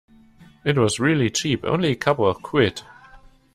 It was really cheap! Only a couple of quid!